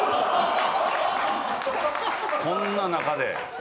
こんな仲で。